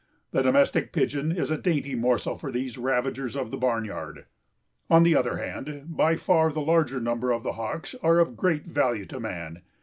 The domestic pigeon is a dainty morsel for these ravagers of the barnyard. On the other hand, by far the larger number of the Hawks are of great value to man.